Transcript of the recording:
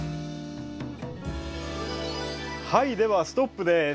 はいではストップです。